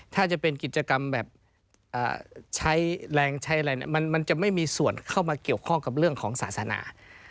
ถ้าจะเป็นกิจกรรมแบบใช้แรงใช้อะไรมันจะไม่มีส่วนเข้ามาเกี่ยวข้องกับเรื่องของศาสนา